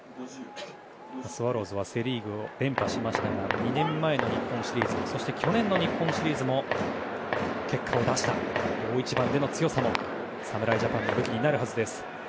スワローズはセ・リーグ連覇しましたが２年前の日本シリーズそして去年の日本シリーズも結果を出した、大一番での強さも侍ジャパンの武器になるはずです。